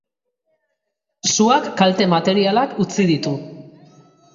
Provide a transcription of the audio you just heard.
Suak kalte materialak utzi ditu.